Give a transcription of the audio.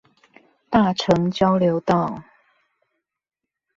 大城交流道